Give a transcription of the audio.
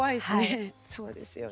そうですよね。